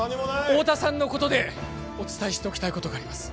太田さんのことでお伝えしておきたいことがあります